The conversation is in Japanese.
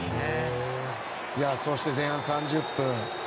そして前半３０分。